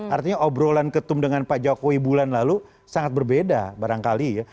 artinya obrolan ketum dengan pak jokowi bulan lalu sangat berbeda barangkali ya